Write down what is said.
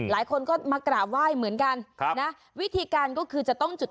ตามความเชื่อได้เลย